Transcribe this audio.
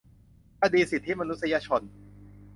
คดีสิทธิมนุษยชน